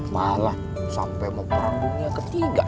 malah sampai mau perang dunia ketiga